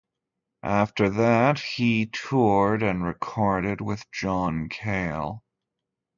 After that, he toured and recorded with John Cale.